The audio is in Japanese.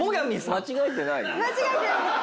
間違えてないです。